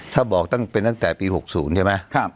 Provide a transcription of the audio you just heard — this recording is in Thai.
ถ้าบอกตั้งแต่ปี๖๐ใช่ไหม